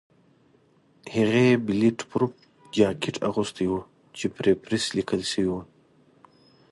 هغې بلېټ پروف جاکټ اغوستی و چې پرې پریس لیکل شوي وو.